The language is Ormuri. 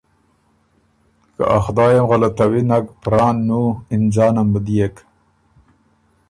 ا خدای ام غلطوی نک، پران نُو، اِنځانم بُو ديېک